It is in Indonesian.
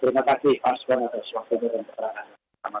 terima kasih pak soeharno untuk sewaktu ini